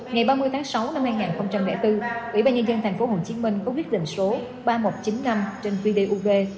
ngày ba mươi tháng sáu năm hai nghìn bốn ủy ban nhân dân tp hcm có quyết định số ba nghìn một trăm chín mươi năm trên vdub